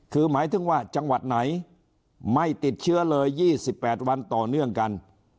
คือหมายถึงว่าจังหวัดไหนไม่ติดเชื้อเลย๒๘วันต่อเนื่องกัน